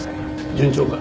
順調か？